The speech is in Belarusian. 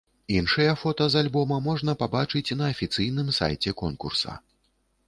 Іншыя фота з альбома можна пабачыць на афіцыйным сайце конкурса.